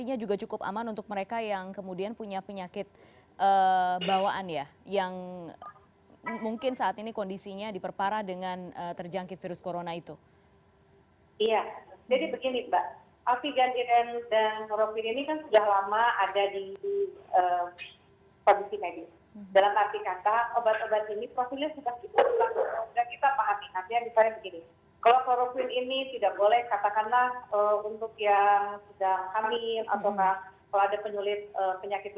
kami berusaha nanti memberikan langsungan langsungan kepada pemerintah dan pemerintah pemerintah untuk memberikan perhatian perhatian yang sekiranya dapat menjadi satu penyulit